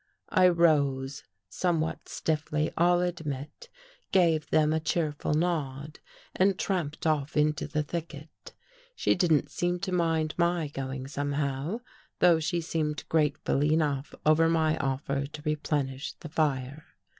I rose somewhat stiffly. I'll admit, gave them a cheerful nod and tramped off into the thicket. She*" didn't seem to mind my going somehow, though she seemed grateful enough over my offer to replenish the lire.